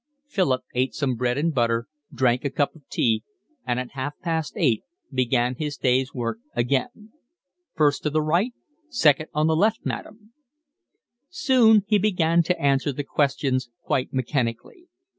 Philip ate some bread and butter, drank a cup of tea, and at half past eight began his day's work again. "First to the right. Second on the left, madam." Soon he began to answer the questions quite mechanically.